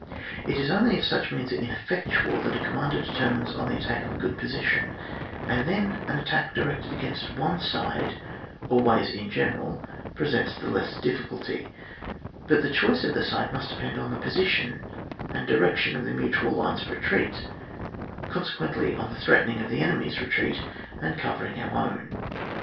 It is only if such means are ineffectual, that a commander determines on the attack of a good position, and then an attack di rected against one side, always in general presents the less difficulty; but the choice of the side must depend on the position and direction of the mutusd lines of re treat, consequently, on the threatening the enemy*s retreat, and covering our own.